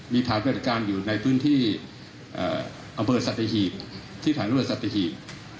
มีภาพปฏิบัติการอยู่ในพื้นที่อำเภิษศัตริหีบ